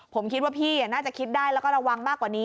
ผมคิดว่าพี่น่าจะคิดได้แล้วก็ระวังมากกว่านี้